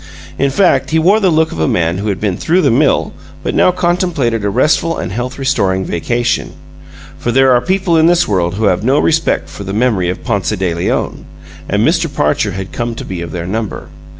In fact, he wore the look of a man who had been through the mill but now contemplated a restful and health restoring vacation. For there are people in this world who have no respect for the memory of Ponce de Leon, and Mr. Parcher had come to be of their number.